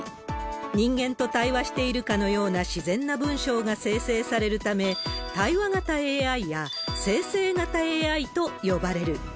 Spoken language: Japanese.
人間と対話しているかのような自然な文章が生成されるため、対話型ＡＩや、生成型ＡＩと呼ばれる。